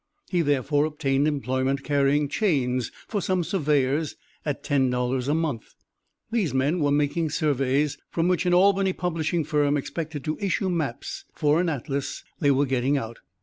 He therefore obtained employment carrying chains for some surveyors at $10 a month. These men were making surveys from which an Albany publishing firm expected to issue maps for an atlas they were getting out.